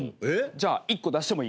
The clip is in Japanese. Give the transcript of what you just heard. じゃあ１個出してもいい？